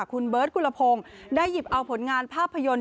คุณเบิร์ตกุลพงศ์ได้หยิบเอาผลงานภาพยนตร์